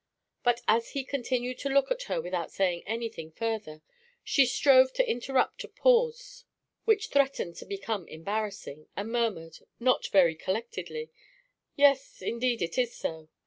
But as he continued to look at her without saying anything further, she strove to interrupt a pause which threatened to become embarrassing, and murmured, not very collectedly: "Yes, indeed it is so.